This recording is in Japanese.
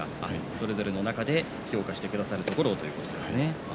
それぞれの中で評価してくださるところをということですね。